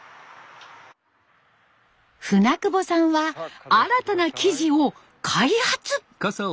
舟久保さんは新たな生地を開発。